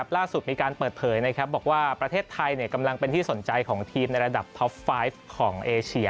ล่าสุดมีการเปิดเผยบอกว่าประเทศไทยกำลังเป็นที่สนใจของทีมในระดับท็อปไฟฟ์ของเอเชีย